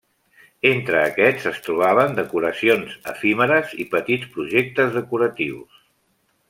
Entre aquests es trobaven decoracions efímeres i petits projectes decoratius.